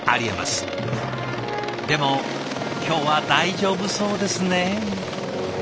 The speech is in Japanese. でも今日は大丈夫そうですね。